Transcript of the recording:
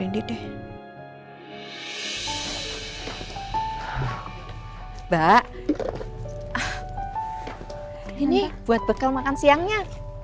ini buat bekal makan siangnya